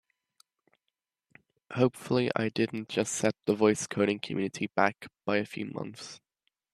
Hopefully I didn't just set the voice coding community back by a few months!